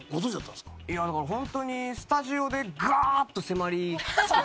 いやだからホントにスタジオでガーッと迫り来てですね。